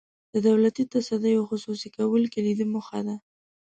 د دولتي تصدیو خصوصي کول کلیدي موخه ده.